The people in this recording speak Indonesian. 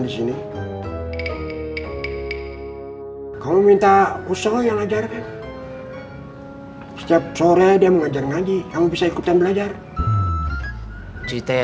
di sini kamu minta usaha yang ajarkan setiap sore dia mengajar ngaji kamu bisa ikutan belajar cita ya